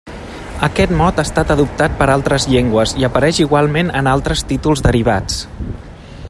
Aquest mot ha estat adoptat per altres llengües i apareix igualment en altres títols derivats.